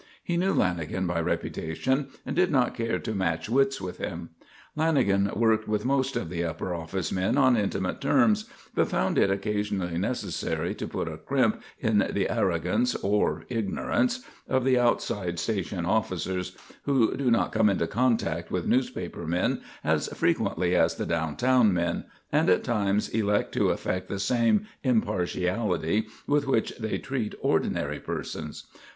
He knew Lanagan by reputation and did not care to match wits with him. Lanagan worked with most of the "upper office" men on intimate terms, but found it occasionally necessary to put a "crimp" in the arrogance, or ignorance, of the outside station officers, who do not come into contact with newspaper men as frequently as the down town men and at times elect to affect the same impartiality with which they treat ordinary persons.